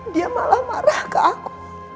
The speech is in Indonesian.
dia malah marah ke aku